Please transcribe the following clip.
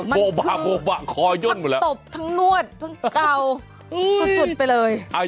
โบบะคอย่นหมดแล้วมันคือทักตบทั้งนวดทั้งเก่าทุกสุดไปเลย